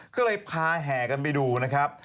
ก็เลยพาแห่กันไปดูนะครับ